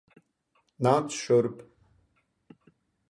Nāc šurp.